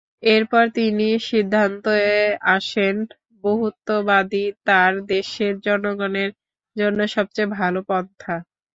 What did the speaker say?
এরপর তিনি সিদ্ধান্তে আসেন, বহুত্ববাদই তাঁর দেশের জনগণের জন্য সবচেয়ে ভালো পন্থা।